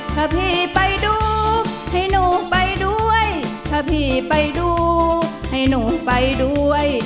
ถ้าพี่ไปดูให้หนูไปด้วยถ้าพี่ไปดูให้หนูไปด้วย